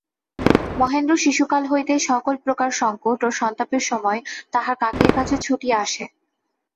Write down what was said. মহেন্দ্র শিশুকাল হইতেই সকলপ্রকার সংকট ও সন্তাপের সময় তাহার কাকীর কাছে ছুটিয়া আসে।